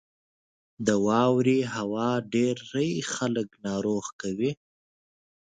• د واورې هوا ډېری خلک ناروغ کوي.